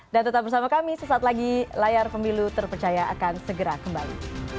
dan tetap bersama kami sesaat lagi layar pemilu terpercaya akan segera kembali